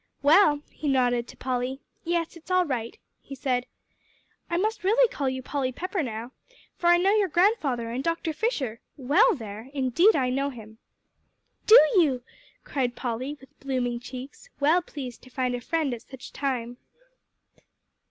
"Well," he nodded to Polly. "Yes, it's all right," he said. "I must really call you Polly Pepper now, for I know your grandfather, and Dr. Fisher well there! indeed I know him." "Do you?" cried Polly with blooming cheeks, well pleased to find a friend at such a time.